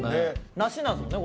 梨なんですよね？